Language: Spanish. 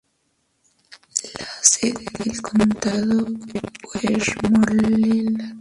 La sede del condado es Westmoreland.